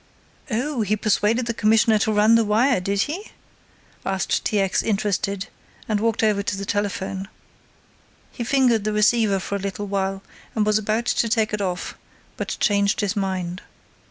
"Oh, he persuaded the Commissioner to run the wire, did he?" said T. X. interested, and walked over to the telephone. He fingered the receiver for a little while and was about to take it off, but changed his mind.